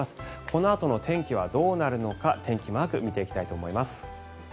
このあとの天気はどうなるのか天気マーク見ていきたいと思います。